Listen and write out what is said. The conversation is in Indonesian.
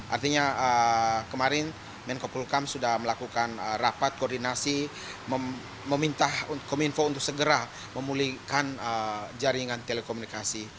artinya kemarin kemenko kulkam sudah melakukan rapat koordinasi meminta kemenko minfo untuk segera memulihkan jaringan telekomunikasi